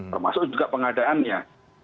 termasuk juga pengadaannya